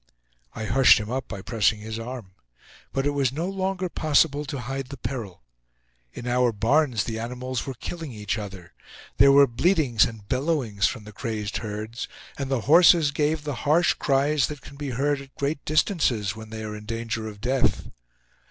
I hushed him up by pressing his arm. But it was no longer possible to hide the peril. In our barns the animals were killing each other. There were bleatings and bellowings from the crazed herds; and the horses gave the harsh cries that can be heard at great distances when they are in danger of death.